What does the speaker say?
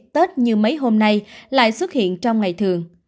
tết như mấy hôm nay lại xuất hiện trong ngày thường